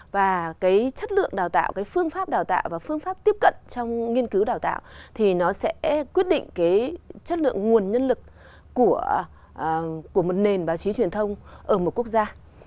và cái chất lượng đào tạo cái phương pháp đào tạo và phương pháp tiếp cận trong nghiên cứu đào tạo thì nó sẽ quyết định cái chất lượng nguồn nhân lực của một nền báo chí truyền thông ở một quốc gia